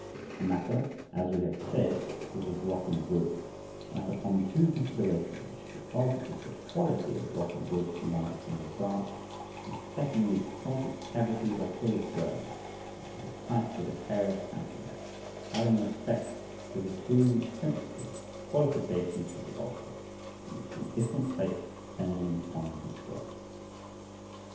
The matter, as we have said, is of rotten wood, and that upon two considerations: because it is the quality of rotten wood to light in the dark; and secondly, because its cavities are full of worms—which is a type with a pair of handles, having a respect to the two principal qualifications of the orator and the two different fates attending upon his works.